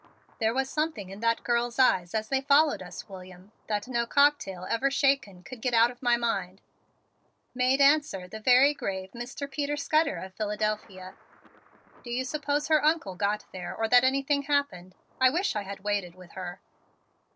"There was something in that girl's eyes as they followed us, William, that no cocktail ever shaken could get out of my mind," made answer the very grave Mr. Peter Scudder of Philadelphia. "Do you suppose her Uncle got there or that anything happened? I wish I had waited with her."